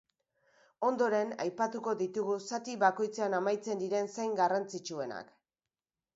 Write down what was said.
Ondoren, aipatuko ditugu zati bakoitzean amaitzen diren zain garrantzitsuenak.